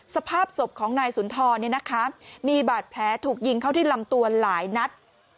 สภาพศพของนายสุนทรมีบาดแผลถูกยิงเข้าที่ลำตัวหลายนัด